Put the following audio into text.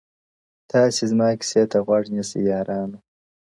تاسي زما كيسې ته غوږ نيسئ يارانو؛